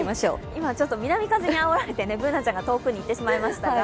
今、南風にあおられて、Ｂｏｏｎａちゃんが遠くにいってしまいましたが。